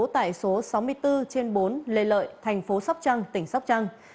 tại số sáu mươi bốn trên bốn lê lợi thành phố sóc trăng tỉnh sóc trăng